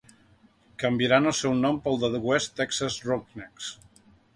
Canviaran el seu nom pel de West Texas Roughnecks.